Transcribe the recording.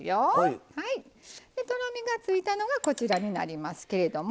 でとろみがついたのがこちらになりますけれども。